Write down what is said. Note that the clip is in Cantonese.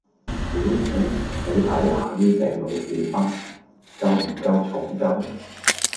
小姐，妳睇下呢隻老鼠斑，夠唔夠重夠？